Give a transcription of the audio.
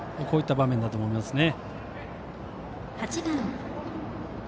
こういった場面だと思います。